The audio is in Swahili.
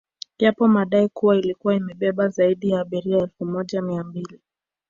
Yapo madai kuwa ilikuwa imebeba zaidi ya abiria elfu moja mia mbili